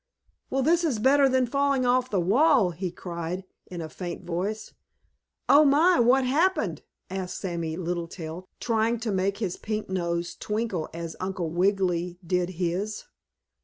"Well, this is better than falling off the wall!" he cried in a faint voice. "Oh, my! What happened?" asked Sammie Littletail, trying to make his pink nose twinkle as Uncle Wiggily did his.